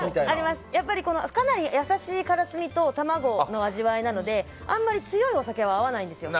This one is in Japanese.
かなり優しいからすみと卵の味わいなのであまり強いお酒は合わないんですよ。